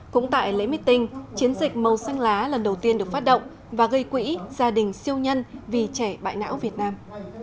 cũng tại lễ meeting chiến dịch màu xanh lá lần đầu tiên được phát động và gây quỹ gia đình siêu nhân vì trẻ bại não việt nam